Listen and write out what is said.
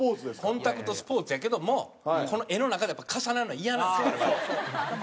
コンタクトスポーツやけどもこの絵の中で重なるのはイヤなんです我々。